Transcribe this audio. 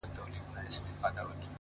• لکه مړی وو بې واکه سوی سکور وو,